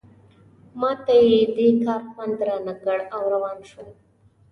ما ته یې دې کار خوند رانه کړ او روان شوم.